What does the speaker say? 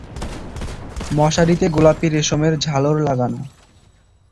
মশারিতে গোলাপি রেশমের ঝালর লাগানো।